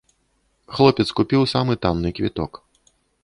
Хлопец купіў самы танны квіток.